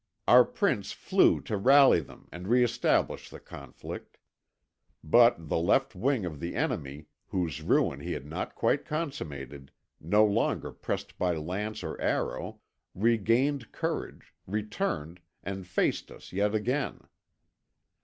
Our prince flew to rally them, and re established the conflict. But the left wing of the enemy, whose ruin he had not quite consummated, no longer pressed by lance or arrow, regained courage, returned, and faced us yet again.